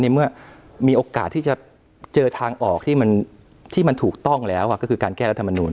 เมื่อมีโอกาสที่จะเจอทางออกที่มันถูกต้องแล้วก็คือการแก้รัฐมนุน